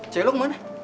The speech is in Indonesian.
cewek lo kemana